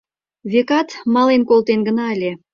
Векат, мален колтен гына ыле.